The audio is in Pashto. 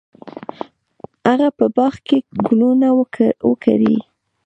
هغه په باغ کې ګلونه وکري.